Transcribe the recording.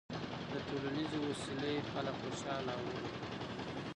د ټولنیزې وصلۍ خلک خوشحاله او روغ دي.